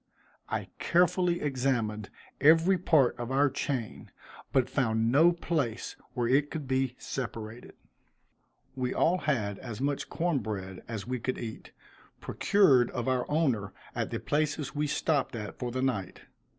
I carefully examined every part of our chain, but found no place where it could be separated. We all had as much corn bread as we could eat, procured of our owner at the places we stopped at for the night.